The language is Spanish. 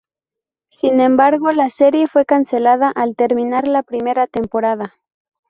Sin embargo, la serie fue cancelada al terminar la primera temporada.